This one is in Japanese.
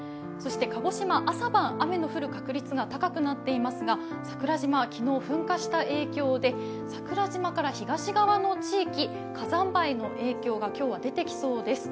鹿児島、朝晩雨が降る確率が高くなっていますが、桜島は昨日、噴火した影響で桜島から東側の地域、火山灰の影響が今日は出てきそうです。